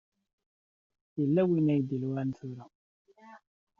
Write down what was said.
Yella win i d-iluɛan tura.